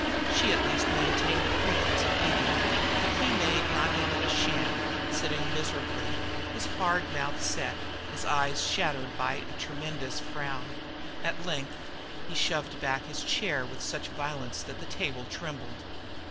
She at least maintained a pretence of eating, but he made not even a sham, sitting miserably, his mouth hard set, his eyes shadowed by a tremendous frown. At length he shoved back his chair with such violence that the table trembled.